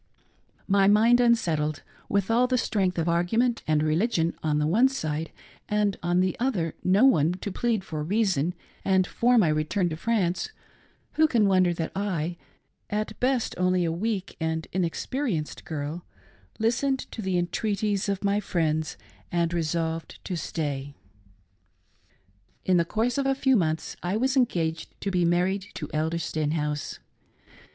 My mind tinsettled, with all the strength of argument and rehgion on the one side, and on the other no one to plead for reason and for my return to France, who can wonder that I — at best only a weak and inexperienced girl — listened to the entreaties of my friends, and resolved to stay. In the course of a few months I was engaged to be mar ried to Elder Stenhouse.